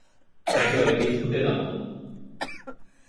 একেবারে বিদ্ঘুটে দানব।